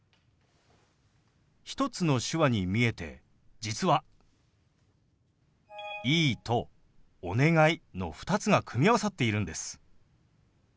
１つの手話に見えて実は「いい」と「お願い」の２つが組み合わさっているんです。